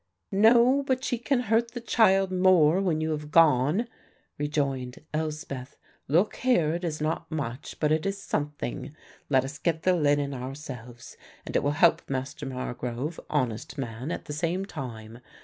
"No, but she can hurt the child more, when you have gone," rejoined Elspeth. "Look here, it is not much, but it is something; let us get the linen ourselves, and it will help Master Margrove, honest man, at the same time.